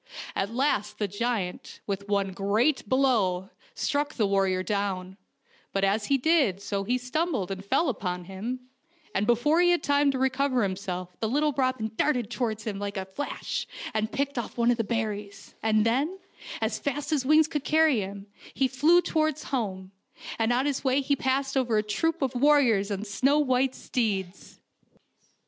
At last the giant, with one great blow, struck the war rior down, but as he did so he stumbled and fell upon him, and before he had time to recover him self the little robin darted towards him like a flash and picked off one of the berries, and then, as fast as wings could carry him, he flew towards home, and on his way he passed over a troop of warriors on snow white steeds.